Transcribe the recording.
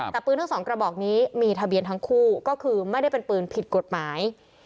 แต่ปืนทั้งสองกระบอกนี้มีทะเบียนทั้งคู่ก็คือไม่ได้เป็นปืนผิดกฎหมาย